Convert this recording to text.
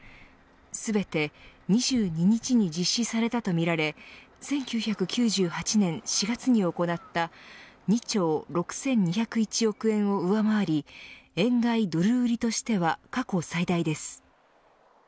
全て２２日に実施されたとみられ１９９８年４月に行った２兆６２０１億を上回り円買いドル売りとしては過去最大です。